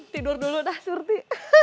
tidur dulu dah surti